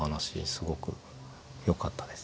すごくよかったです。